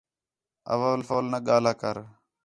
اول فول نہ ڳاھلا کر